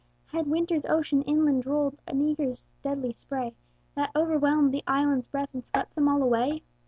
Had winter's ocean inland rolled An eagre's deadly spray, That overwhelmed the island's breadth And swept them all away?